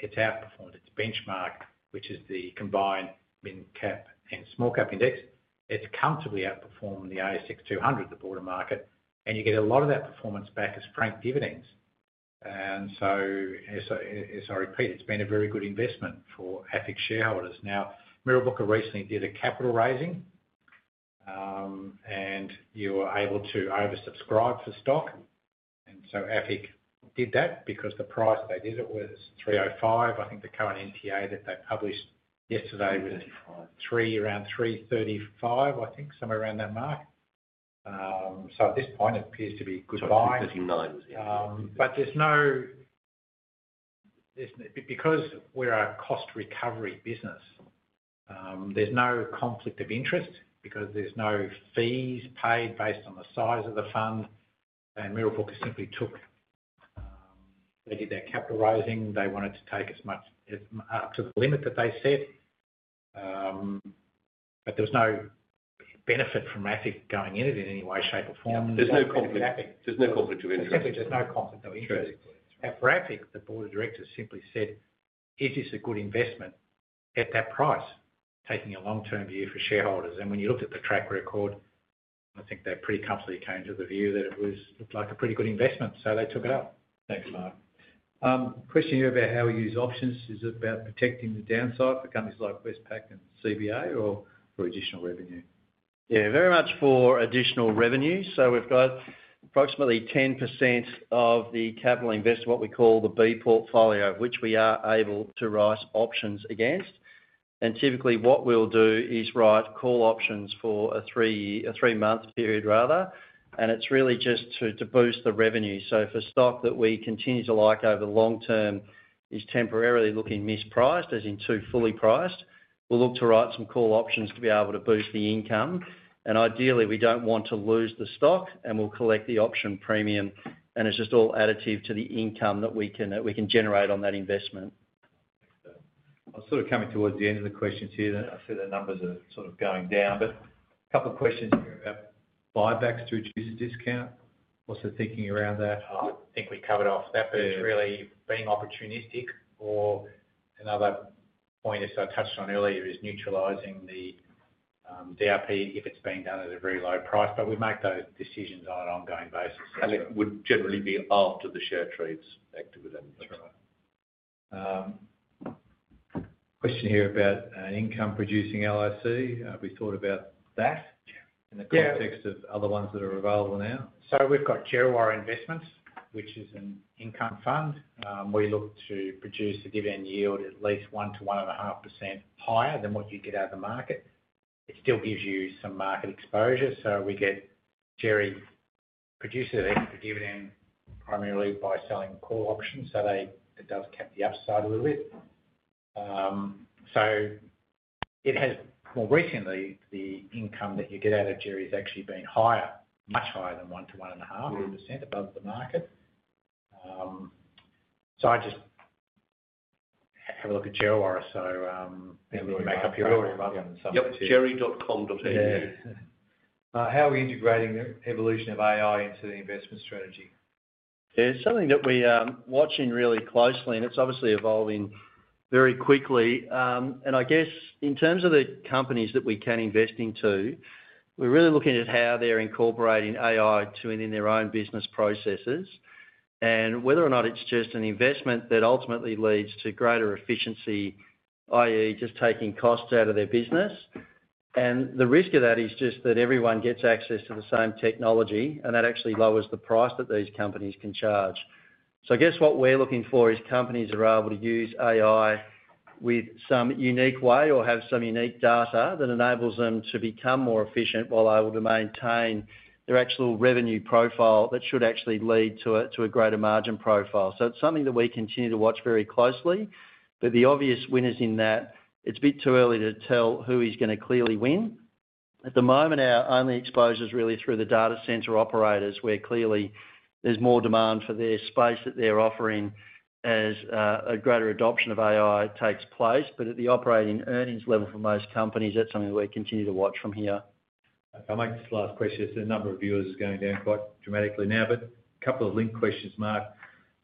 it's outperformed its benchmark, which is the combined mid cap and small cap index. It's comfortably outperformed the ASX 200, the broader market. You get a lot of that performance back as franked dividends. As I repeat, it's been a very good investment for AFIC shareholders. Now, Mirrabooka Investments recently did a capital raising and you were able to oversubscribe for stock and so AFIC did that because the price they did it was 3.05. I think the current NTA that they published yesterday was around 3.35, I think somewhere around that mark. At this point it appears to be good, AUD 3.39. There's no, because we're a cost recovery business, there's no conflict of interest because there's no fees paid based on the size of the fund. Mirrabooka Investments simply took, they did their capital raising, they wanted to take as much up to the limit that they set. There was no benefit from AFIC going in it in any way, shape or form. There's no conflict, there's no conflict of interest, there's no conflict of interest at AFIC. The board of directors simply said is this a good investment at that price taking a long term view for shareholders and when you looked at the track record, I think that pretty comfortably came to the view that it looked like a pretty good investment. They took it up. Thanks, Mark. Question here about how we use options. Is it about protecting the downside for companies like Westpac and CBA or for additional revenue? Yeah, very much for additional revenue. We've got approximately 10% of the capital in what we call the B portfolio, which we are able to write options against. Typically, what we'll do is write call options for a three-month period. It's really just to boost the revenue. If a stock that we continue to like over the long term is temporarily looking mispriced, as in too fully priced, we'll look to write some call options to be able to boost the income. Ideally, we don't want to lose the stock, and we'll collect the option premium. It's just all additive to the income that we can generate on that investment. I'm sort of coming towards the end of the questions here. I see the numbers are sort of going down, but a couple of questions about buybacks to reduce discount. What's the thinking around that? I think we covered off that, but it's really being opportunistic. Another point as I touched on earlier is neutralizing the DRP if it's being done at a very low price. We make those decisions on an ongoing basis and it would generally be. After the share trades activity. Question here about an income producing LIC. Have we thought about that in the context of other ones that are available now? We have Kiriwara Investments, which is an income fund. We look to produce a dividend yield at least 1 to 1.5% higher than what you get out of the market. It still gives you some market exposure. Gerry produces extra dividend primarily by selling call options. It does cap the upside a little bit. More recently, the income that you get out of Gerry has actually been much higher than 1 to 1.5% above the market. I just have a look at Gerry oris. Jerry. Eduardo, how are we integrating? The evolution of AI into the investment strategy? It's something that we are watching really closely, and it's obviously evolving very quickly. I guess in terms of the companies that we can invest into, we're really looking at how they're incorporating AI within their own business processes and whether or not it's just an investment that ultimately leads to greater efficiency that is just taking costs out of their business. The risk of that is just that everyone gets access to the same technology and that actually lowers the price that these companies can charge. I guess what we're looking for is companies that are able to use AI in some unique way or have some unique data that enables them to become more efficient while able to maintain their actual revenue profile, which should actually lead to a greater margin profile. It's something that we continue to watch very closely. The obvious winners in that, it's a bit too early to tell who is going to clearly win. At the moment, our only exposure is really through the data center operators, where clearly there's more demand for their space that they're offering as a greater adoption of AI takes place. At the operating earnings level for most companies, that's something that we continue. To watch from here. I'll make this last question. There's a number of viewers going down quite dramatically now. A couple of linked questions, Mark.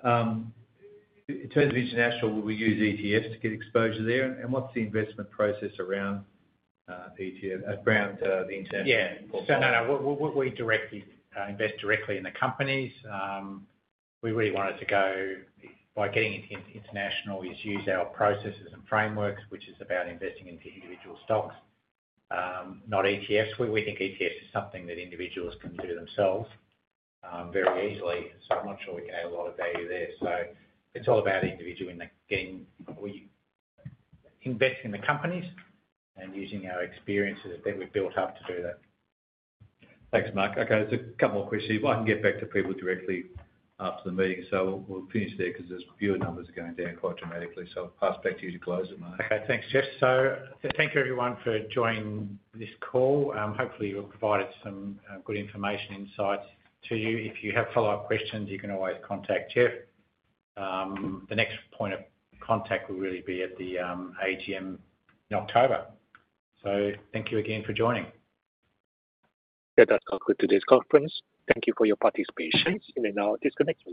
In terms of international, will we use ETFs to get exposure there, and what's the investment process around ETFs around the international portfolio? No, we directly invest directly in the companies we really wanted to go by. Getting into international is use our processes and frameworks, which is about investing into individual stocks, not ETFs. We think ETFs is something that individuals can do themselves very easily. I'm not sure we can add a lot of value there. It's all about individual investing in the companies and using our experiences that we've built up to do that. Thanks, Mark. Okay, there's a couple more questions. I can get back to people directly after the meeting. We'll finish there because there's fewer numbers going down quite dramatically. I'll pass back to you to close it. Mark. Okay, thanks Geoff. Thank you everyone for joining this call. Hopefully we've provided some good information insights to you. If you have follow up questions, you can always contact Geoff. The next point of contact will really be at the AGM in October. Thank you again for joining. That does conclude today's conference. Thank you for your participation. You may now disconnect.